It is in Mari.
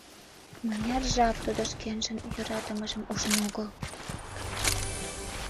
Мыняр жап тудо шкенжын йӧратымыжым ужын огыл.